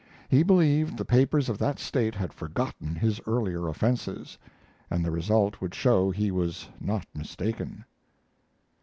He believed the papers of that State had forgotten his earlier offenses, and the result would show he was not mistaken.